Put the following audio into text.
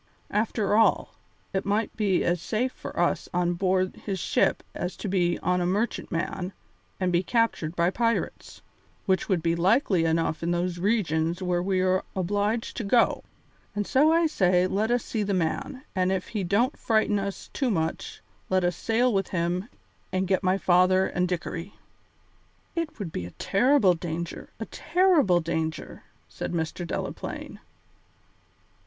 After all, it might be as safe for us on board his ship as to be on a merchantman and be captured by pirates, which would be likely enough in those regions where we are obliged to go; and so I say let us see the man, and if he don't frighten us too much let us sail with him and get my father and Dickory." "It would be a terrible danger, a terrible danger," said Mr. Delaplaine.